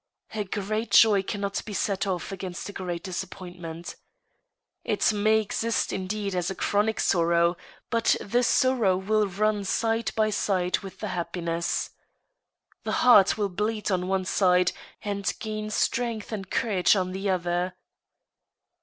A great joy can not be set ofiF against a g^at disappointment. It may "exist indeed as chronic sorrow, but the sorrow will run side by side THE PRODIGAL HUSBAND: 45 with the happiness. The heart will bleed on one side, and gain strength and courage on the other.